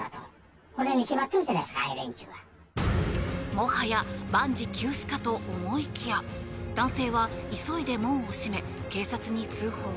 もはや万事休すかと思いきや男性は急いで門を閉め警察に通報。